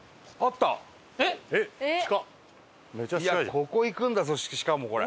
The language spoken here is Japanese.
ここ行くんだぞしかもこれ。